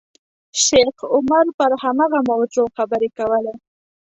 شیخ عمر پر هماغه موضوع خبرې کولې.